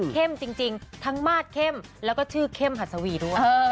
จริงทั้งมาสเข้มแล้วก็ชื่อเข้มหัสวีด้วย